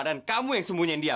dan kamu yang sembunyiin dia